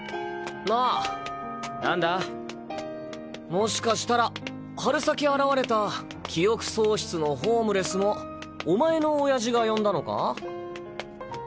もしかしたら春先現れた記憶喪失のホームレスもお前の親父が呼んだのか？